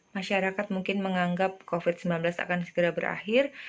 masyarakat mungkin menganggap covid sembilan belas akan segera berakhir